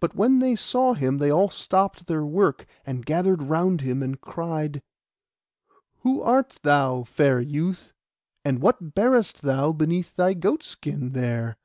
But when they saw him they all stopped their work, and gathered round him, and cried— 'Who art thou, fair youth? and what bearest thou beneath thy goat skin there?